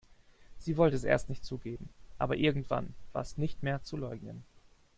Sie wollte es erst nicht zugeben, aber irgendwann war es nicht mehr zu leugnen.